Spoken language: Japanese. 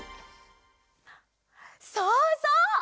そうそう！